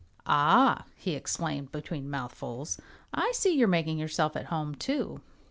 "Ah!" he exclaimed between mouthfuls, "I see you're making yourself at home, too."